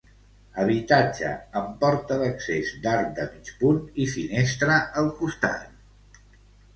Habitatge amb porta d'accés d'arc de mig punt i finestra al costat.